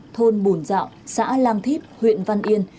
thôn bùn dạo xã lang thiếp huyện văn yên